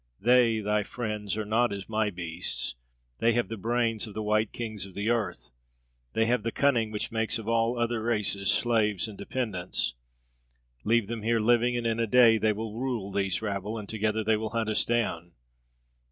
"They, thy friends, are not as my beasts. They have the brains of the white kings of the earth; they have the cunning which makes of all other races slaves and dependents. Leave them here, living, and in a day they will rule these rabble and together they will hunt us down.